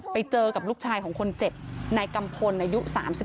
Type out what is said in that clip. ไปเจอกับลูกชายของคนเจ็ดในกำคลอายุ๓๔